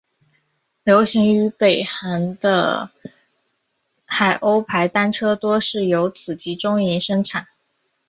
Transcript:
流行于北韩的海鸥牌单车多是由此集中营生产。